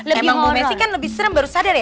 emang bu messi kan lebih serem baru sadar ya